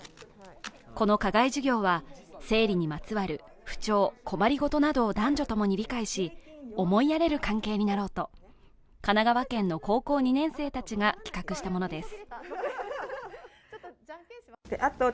この課外授業は、生理にまつわる不調・困りごとなどを男女ともに理解し、思いやれる関係になろうと、神奈川県の高校２年生たちが企画したものです。